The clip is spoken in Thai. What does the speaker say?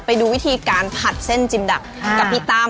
ไปดูวิธีการผัดเส้นจิมดักกับพี่ตั้ม